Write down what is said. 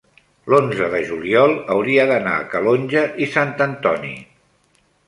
l'onze de juliol hauria d'anar a Calonge i Sant Antoni.